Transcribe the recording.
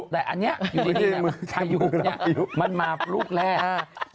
แต่อันนี้อยู่ดีพายุเนี่ยมันมาลูกแรก